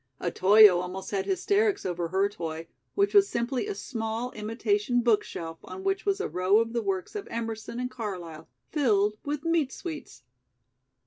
Otoyo almost had hysterics over her toy, which was simply a small, imitation book shelf on which was a row of the works of Emerson and Carlyle, filled with "meat sweets."